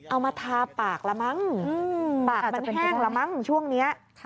เอามาทาปากละมั้งปากมันแห้งละมั้งช่วงนี้